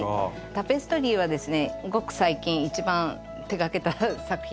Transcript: タペストリーはですねごく最近一番手がけた作品なんですけども。